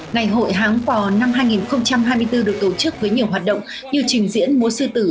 ngày hội háng bò năm hai nghìn hai mươi bốn được tổ chức với nhiều hoạt động như trình diễn múa sư tử